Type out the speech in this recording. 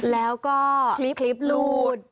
แล้วก็คลิปรูด